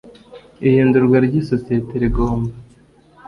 ihindurwa ry isosiyete rigomba